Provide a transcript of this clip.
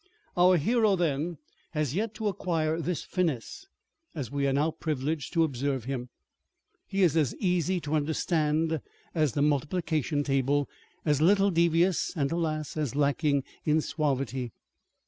Our hero, then, had yet to acquire this finesse. As we are now privileged to observe him, he is as easy to understand as the multiplication table, as little devious and, alas! as lacking in suavity.